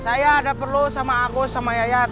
saya ada perlu sama agus sama yayat